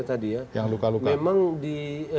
tadi ya yang luka luka memang di